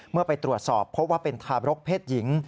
ไปตรวจสอบพบว่าเป็นทาบรกเพศหญิง